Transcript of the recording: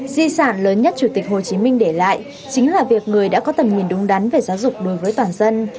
di sản lớn nhất chủ tịch hồ chí minh để lại chính là việc người đã có tầm nhìn đúng đắn về giáo dục đối với toàn dân